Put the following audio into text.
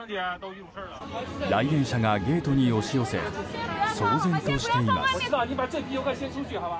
来園者がゲートに押し寄せ騒然としています。